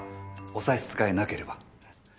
お差し支えなければ。